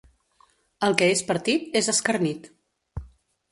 El que és partit és escarnit.